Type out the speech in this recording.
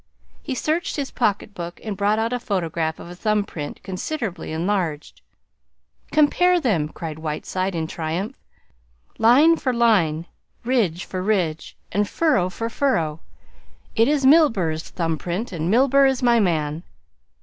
He searched his pocket book and brought out a photograph of a thumb print considerably enlarged. "Compare them!" cried Whiteside in triumph. "Line for line, ridge for ridge, and furrow for furrow, it is Milburgh's thumb print and Milburgh is my man!"